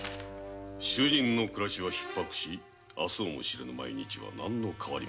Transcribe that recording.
衆人の暮らしは窮迫し明日をも知らぬ毎日は何の変わりもなし。